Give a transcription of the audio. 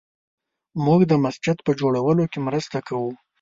موږ د مسجد په جوړولو کې مرسته کوو